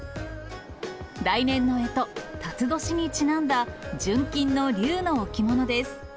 来年のえと、たつ年にちなんだ純金の龍の置物です。